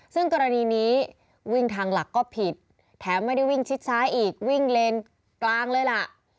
ซึ่งกรณีนี้วิ่งทางหลักก็ผิดแถมไม่ได้วิ่งชิดซ้ายอีกวิ่งเลนกลางเลยล่ะ